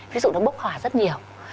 ví dụ nó bốc hỏa rất nhiều